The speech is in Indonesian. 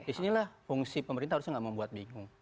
jadi inilah fungsi pemerintah harusnya nggak membuat bingung